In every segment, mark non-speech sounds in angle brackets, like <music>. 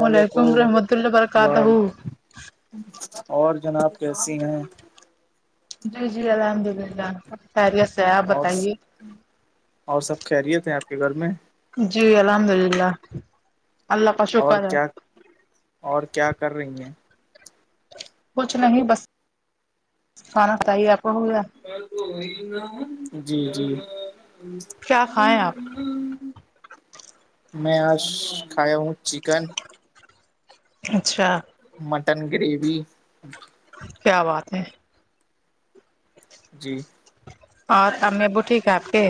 وعلیکم رحمۃ اللہ وبرکاتہ وعلیکم اور جناب کیسی ہیں جی جی الحمد للہ خیریت ہے آپ اور بتائیے اور سب کہہرییے تھے آپ کے گھر میں جی الحمد اللہ کا اور شکر ہے کیا اور کیا کر رہی ہیں کچھ نہیں بس کھانا کاہیے آپ کو ہو گیا جی جی کیا کھائیں آپ میں آج کھا ہوں چکن اچھا مٹن گریوی کیا بات ہے جی اور ت میں بوٹ ک آپ کے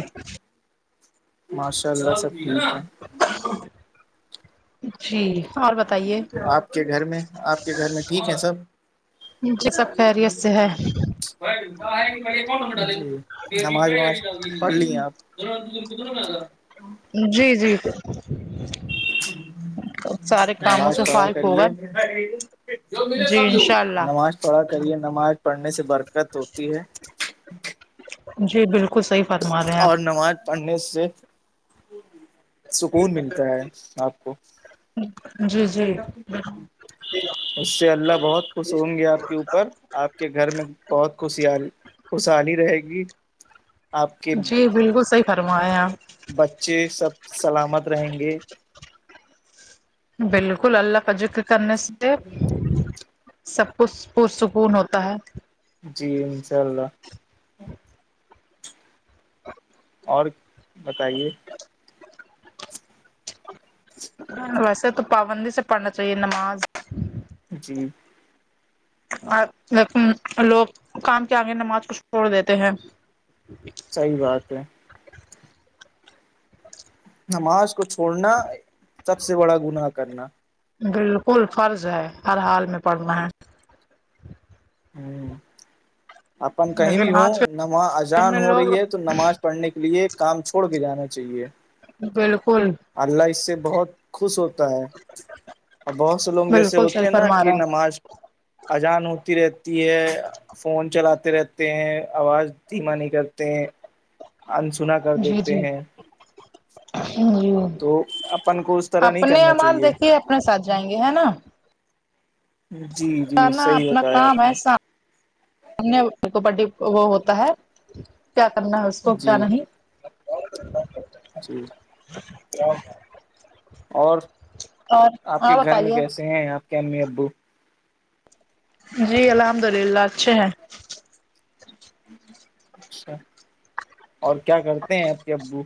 ماشاء اللہ سب ٹھیک ہے <inaudible> جی اور بتائیے آپ کے گھر میں آپ کے گھر میں ٹھیک ہے سب مجھے سب خیریت سے ہے پڑھ لیے آپ <inaudible> جی جی سارے کاموں نماز سے پڑا فارغ ہوگا کریے جی انشاء اللہ نماز پڑھا کریے نماز پڑھنے سے برکت ہوتی ہے جی بالکل صحیح فرما رہے ہیں آپ اور نماز پڑھنے سے سکون ملتا ہے آپ کو جی جی اس سے اللہ بہت خوش ہوں گے آپ کے اوپر آپ کے گھر میں بہت خوشح خوشحالی رہے گی آپ کے جی بالکل صحیح فرمایں آپ بچے سب سلامت رہیں گے بالکل اللہ کا ذکر کرنے سے سب کچھ پرسکون ہوتا ہے جی انشاء اللہ اور بتائیے ویسے تو پابندی سے پڑھنا چاہیے نماز جی لوگ کام کے آگے نماز کو چھوڑ دیتے ہیں اچھا صحیح بات ہے نماز کو چھوڑنا سب سے بڑا گناہ کرنا بالکل فرض ہے ہر حال میں پڑھنا ہے ہوں ان کہیں بھی لیکن آج ہوں کے نماز ان اجان میں ہو لوگ رہی ہے تو نماز پڑھنے کے لیے کام چھوڑ کے جانا چاہیے بالکل اللہ اس سے بہت خوش ہوتا ہے اور بہت سے لوگ جیسے بالکل ہوتے صحیح ہیں نا فرما کہ رہا ہے نماز ازان ہوتی رہتی ہے فون چلاتے رہتے ہیں آواز دھیما نہیں کرتے ہیں انسنا کر جی دیتے ہیں جی جی تو اپن کو اس طرح نہیں اپنے کرنا امان چاہیے دیکھیے اپنے سات جائیں گے ہے نا جی جی کرنا صحیح اپنا بتایا کام آپ نے ہےسا کو وہ ہوتا ہے کیا کرنا ہے اس کو کیا جی نہیں جی کیا اور آپ کے گھر میں بتائیے کیسے ہیں آپ کے امی ابو جی الحمد للہ اچھے ہیں اچھا اور کیا کرتے ہیں آپ کے ابو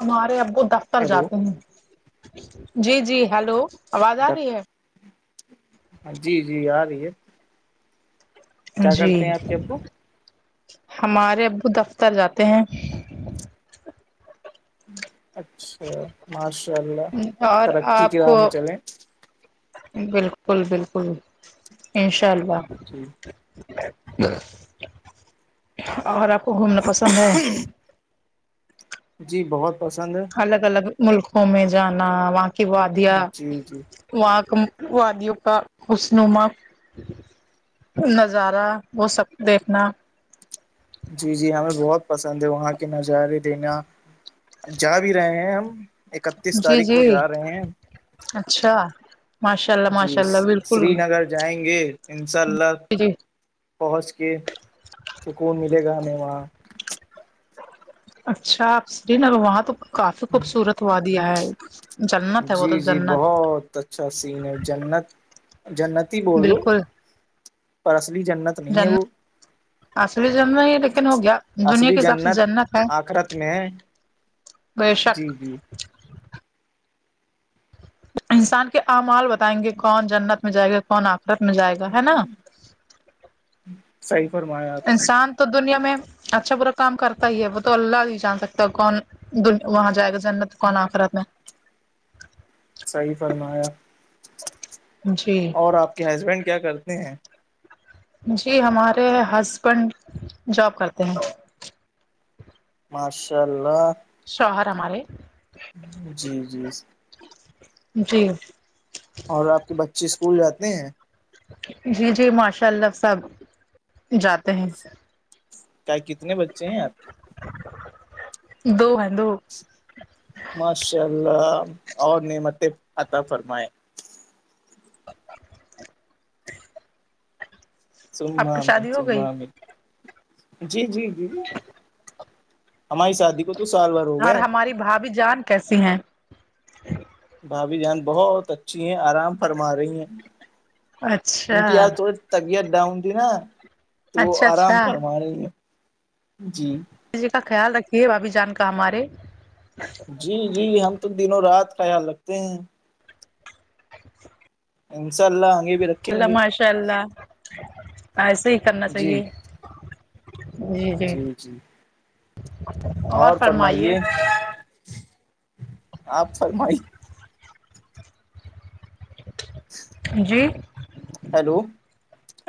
ہمارے ابو دفتر ہیلو جاتے ہیں جی جی ہیلو آواز آ ڈاکٹر رہی ہے جی جی آ رہی ہے کیا جی کرتے ہیں آپ کے ابو ہمارے ابو دفتر جاتے ہیں اچھا ماشاء اللہ اور ترقی آپ کی راہ کو میں چلیں بالکل بالکل انشاء اللہ جی اور آپ کو گھومنا پسند ہے جی جی بہت پسند ہے الگ الگ ملکوں میں جانا وہاں کی وادیا جی جی وہاں وادیوں کا خسنما نظارہ وہ سب دیکھنا جی جی ہمیں بہت پسند ہے وہاں کے نظارے دیکھنا جا بھی رہے ہیں ہم اکتیس جی تاریخ کو جی جا رہے ہیں اچھا ماشاء اللہ جی ماشاء اللہ بالکل سری نگر جائیں گے ان شاء اللہ جی جی پہنچ کے سکون ملے گا ہمیں وہاں اچھا آپ سری نگر وہاں تو کافی خوبصورت ہوا دیا ہے جنت ہے وہ تو جی جی جنت بہت اچھا سین ہے جنت جنتی ہی بول لو پر اصلی جنت نہیں ہے جنا وہ اس بھی جنا ہی ہو گیا دنیا کے حساب سے جنت ہے آخرت میں ہے بے جی شک جی انسان کے امال بتائیں گے کون جنت میں جائے گا کون آخرت میں جائے گا ہے نا صحیح فرمایا آپ نے انسان تو دنیا میں اچھا با کام کرتا ہی ہے وہ تو اللہ ہی جان سکتا ہے کون وہاں جائے گا جنت کون آ کررا میں صحیح فرمایا جی اور آپ کے ہسبینڈ کیا کرتے ہیں جی ہمارے ہسبینڈ جاب کرتے ہیں ماشاء اللہ شوہر ہمارے جی جی جی اور آپ کے بچے اسکول جاتے ہیں جی جی ماشاء اللہ سب جاتے ہیں کیا کتنے بچے ہیں آپ کے دو ہیں دو ماشاء اللہ اور نے مت آتا فرمائے <inaudible> چم آپ کی میں شادی ہو گئی چمم میں جی جی جی ہماری شادی کو تو سال بھر ہو اور گئے ہماری بھابھی جان کیسی ہیں بھابھی جان بہت اچھی ہیں آرام فرما رہی ہیں ان اچھا کی یاد تھڑ طبیعت ڈاؤن تھی نا تو وہ اچھا آرام اچھا فرما رہی ہے جی جی کا خیال رکھیے بھابھی جان کا ہمارے جی جی ہم تو دنوں رات خیال رکھتے ہیں انشاء اللہ آگے بھی رکھیں گے ماشاء اللہ ایسے ہی کرنا جی چاہیے جی جی اور فرمائیے آپ فرمائی جی ہیلو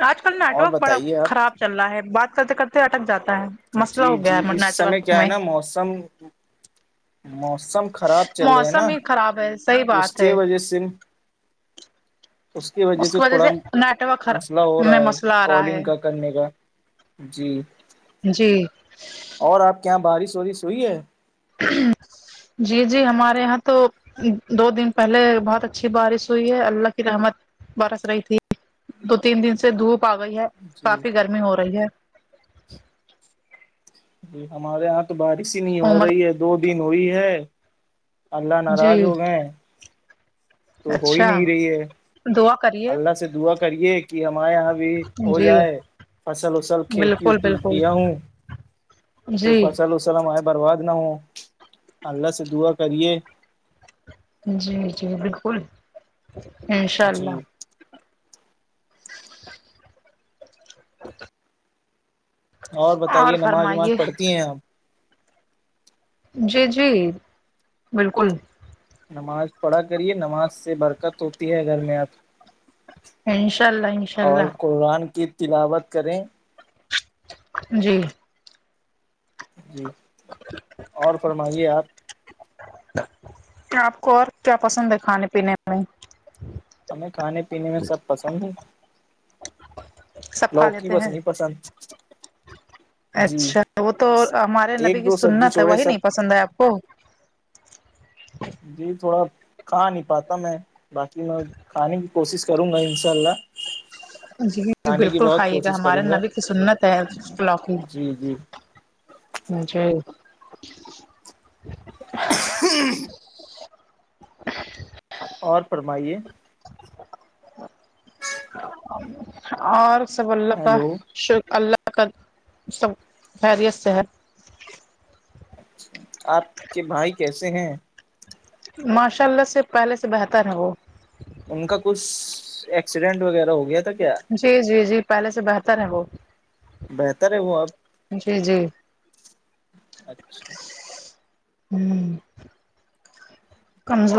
آج کل اور نیٹورک بڑا بتائیے آپ خراب چل رہا ہے بات کرتے کرتے اٹک جاتا ہے مسئلہ جی ہو گیا جی ہے اس نیٹ سمے ورک کیا ہے میں نا موسم موسم خراب چل رہا ہے نا موسم ہی خراب ہے صحیح تو اس بات کے ہے وجہ سے <inaudible> اس کی وجہ سے تھوڑا مسئلہ ہو میں رہا ہے مسئلہ آ رہا کالنگ ہے کا کرنے کا جی جی اور آپ کے یہاں بارش وارش ہوئی ہے <inaudible> جی جی ہمارے یہاں تو دو دن پہلے بہت اچھی بارش ہوئی ہے اللہ کی رحمت برس رہی تھی دو تین دن سے دھوپ آ گئی ہے جی کافی گرمی ہو رہی ہے <unintelligible> جی ہمارے یہاں تو بارش ہی نہیں ہو عمر رہی ہے دو دن ہوئی ہے اللہ جی ناراض ہو گئے تو ہو ہی نہیں رہی ہے دوا کری اللہ سے دعا کریے کہ ہمارے یہاں بھی ہو جی جائے فصل اصل کھیتی بالکل وتی بالکل کیا ہوں تو جی فصل وسلم آئے برباد نہ ہو اللہ سے دعا کریے جی جی بالکل انشاء جی اللہ اور بتائیے نماز وماز پڑھتی ہیں آپ جی جی بالکل نماز پڑھا کریے نماز سے برکت ہوتی ہے گھر میں آپ انشاء اللہ انشاء اور اللہ قرآن کی تلاوت کریں جی جی اور فرمائیے آپ آپ کو اور کیا پسند ہے کھانے پینے میں ہمیں کھانے پینے میں سب پسند ہے سب کھا لوکی لیتے بس ہیں نہیں پسند جی اچھا وہ تو ہمارے نبی ایک کی دو سبزی سنت ہے چھوڑے وہی سب نہیں پسند ہے آپ کو جی تھوڑا کھا نہیں پاتا میں باقی میں کھانے کی کوشش کروں گا انشاء اللہ جی کھانے کی بالکل بہت کھائیے گا کوشش ہمارے کروں نب کی سنت ہے پلاک جی جی کی جی <unintelligible> اور فرمائیے اور سب اللہ کا ہیلو ش اللہ ق سب حییدیت سے ہے اچھا آپ کے بھائی کیسے ہیں ماشاء اللہ سے پہلے سے بہتر ہے وہ ان کا کچھ ایکسیڈنٹ وغیرہ ہو گیا تھا کیا جی جی جی پہلے سے بہتر ہے وہ بہتر ہے وہ اب جی جی اچھا ہ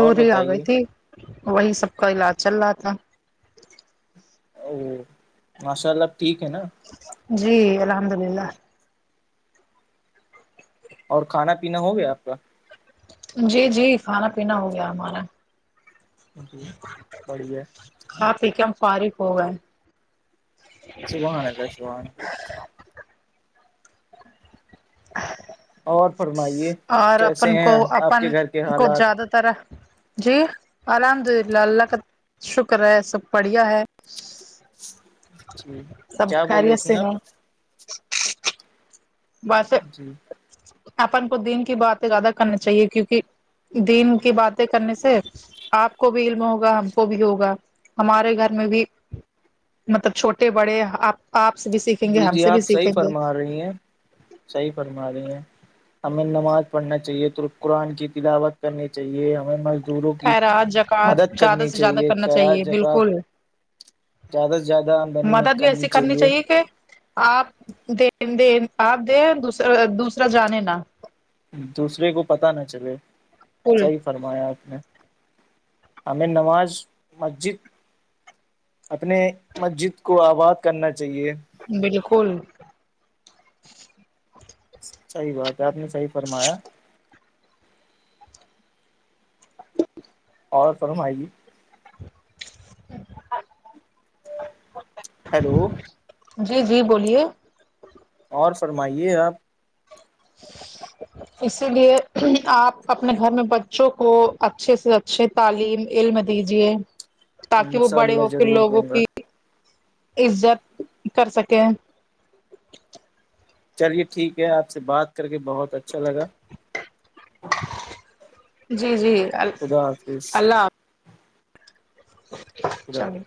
اور آ گئی بتائیے تھی وہی سب کا علاج چل رہا تھا او ماشاء اللہ ٹھیک ہے نا جی الحمد اللہ اور کھانا پینا ہو گیا آپ کا جی جی کھانا پینا ہو گیا ہمارا جی بڑیا ہاں پی کے ہم فارغ ہو گئے سوب آان ال شب آان <unintelligible> اور فرمائیے اور کیسے اپن کو ہیں آپ اپن کے گھر کے کو حالات زیادہ طرح جی الحمد للہ اللہ شکر ہے سب بڑھیا ہے جی سب کیا بول رہی خیریت تھی سے آپ ہے ویس جی اپن کو دین کی باتیں زیادہ کرنی چاہیے کیونکہ دین کی باتیں کرنے سے آپ کو بھی علم ہوگا ہم کو بھی ہوگا ہمارے گھر میں بھی مطلب چھوٹے بڑے آپ آپ سے بھی سیکھیں گے ہم سے بھی سیکھیں گے آ رہی ہیں صحیح فرما رہی ہیں ہمیں نماز پڑھنا چاہیے قرآن کی تلاوت کرنی چاہیے ہمیں م دوروں کی خیرات مدد جکات زیادہ کرنی سے زیادہ چاہیے کرنا کییرا چاہیے جگات بالکل زیادہ سے زیادہ آمدنی میں مدد بھی کرنی ایسی چاہیے کہ آپ د د آپ دے دوسرا دوسرا جانے نہا دوسرے کو پتہ نہ چلے کل صحیح فرمایا اس نے ہمیں نماز مسجد اپنے مسجد کو آباد کرنا چاہیے بالکل صحیح بات ہے آپ نے صحیح فرمایا اور سر روم آئے گی ج ہلو جی جی بولیے اور فرمائیے آپ <inaudible> اسی لیے آپ اپنے گھر میں بچوں کو اچھے سے اچھے تعلیم علم دیجیے تاکہ وہ انشاء بڑے اللہ ہو کے ضرور لوگوں دوں گا کی عزت کر سکیں چلیے ٹھیک ہے آپ سے بات کر کے بہت اچھا لگا جی جی خدا حافظ اللہ حافظ <inaudible> ج چلیے